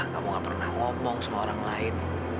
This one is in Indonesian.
kamu gak pernah ngomong sama orang lain